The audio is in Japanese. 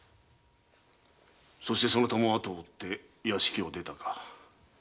そしてそなたも後を追って屋敷を出たか。